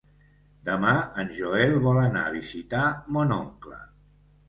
Demà en Joel vol anar a visitar mon oncle.